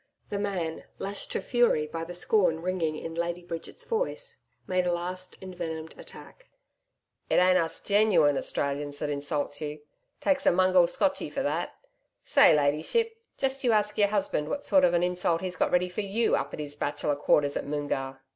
The man, lashed to fury by the scorn ringing in Lady Bridget's voice, made a last envenomed attack. 'It ain't us GENUINE Australians that insults you.... Takes a mongrel Scotchy for that.... Say, Ladyship, just you ask your husband what a sort of an insult he's got ready for YOU up at his Bachelor's Quarters at Moongarr.'